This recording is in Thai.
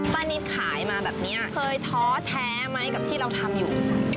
นิดขายมาแบบนี้เคยท้อแท้ไหมกับที่เราทำอยู่